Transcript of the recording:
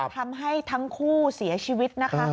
ทำให้ทั้งคู่เสียชีวิตนะคะ